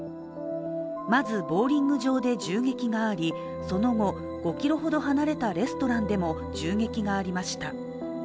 まずボウリング場で銃撃があり、その後５ｋｍほど離れたレストランでも銃撃がありました。